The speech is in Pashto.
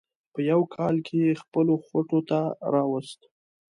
په یوه کال کې یې خپلو خوټو ته راوست.